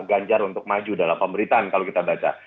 ganjar untuk maju dalam pemberitaan kalau kita baca